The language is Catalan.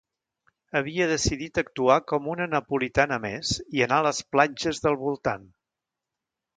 Havia decidit actuar com una napolitana més i anar a les platges del voltant.